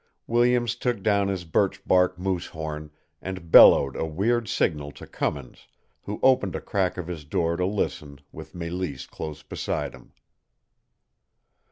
Williams took down his birch bark moose horn and bellowed a weird signal to Cummins, who opened a crack of his door to listen, with Mélisse close beside him.